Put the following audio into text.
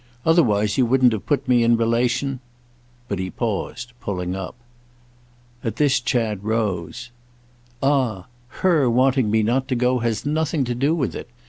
Otherwise you wouldn't have put me in relation—" But he paused, pulling up. At this Chad rose. "Ah her wanting me not to go has nothing to do with it!